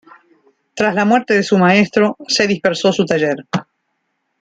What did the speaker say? Tras la muerte de su maestro, se dispersó su taller.